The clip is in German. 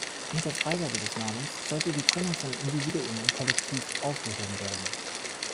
Mit der Freigabe des Namens sollte die Trennung von Individuum und Kollektiv aufgehoben werden.